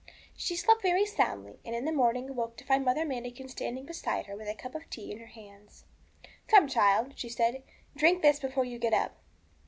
She slept very soundly, and in the morning awoke to find Mother Manikin standing beside her with a cup of tea in her hands. 'Come, child,' she said, 'drink this before you get up.'